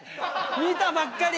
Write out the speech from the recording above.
見たばっかり！